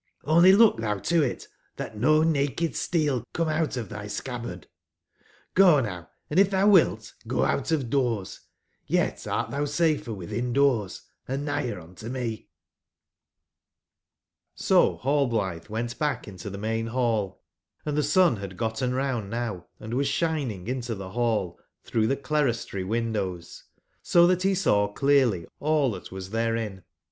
Only look thou to it that nonahcd steel come outof thy scabbard j(^6o now, and if thou wilt, go out of doors ; yet art thou safer within doors and nigher unto me/* O Rallblithe went bach into the main hall, & the sun had gotten round now, & was shining into the hall, through the clerestory windows, so that he saw clearly all that was therein.